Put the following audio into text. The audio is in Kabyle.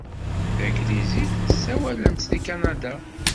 Tanglizit ssawalen-tt deg Kanada.